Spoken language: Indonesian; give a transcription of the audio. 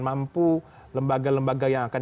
mampu lembaga lembaga yang akan